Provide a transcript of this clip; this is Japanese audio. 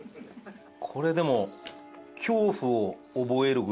これでも。